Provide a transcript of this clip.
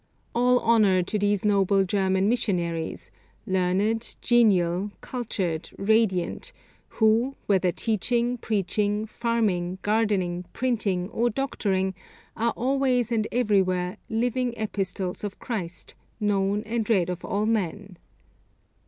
All honour to these noble German missionaries, learned, genial, cultured, radiant, who, whether teaching, preaching, farming, gardening, printing, or doctoring, are always and everywhere 'living epistles of Christ, known and read of all men!'